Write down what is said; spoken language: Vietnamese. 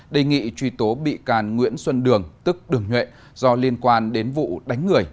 đề nghị truy tố bị can nguyễn xuân đường tức đường nhuệ do liên quan đến vụ đánh người